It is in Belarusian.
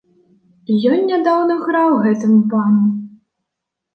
І ён нядаўна граў гэтаму пану.